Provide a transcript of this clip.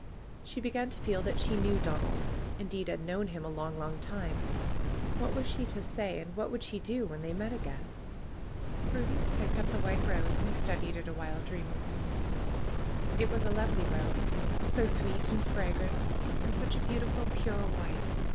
She began to feel that she knew Donald; indeed, had known him a long, long time What was she to say, and what would she do, when they met again ? Prudence picked up the white rose and studied it a while dreamily. It was a lovely rose. So sweet and fragrant ! And such a beautiful pure white